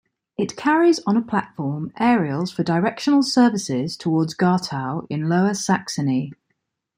It carries on a platform aerials for directional services toward Gartow in Lower Saxony.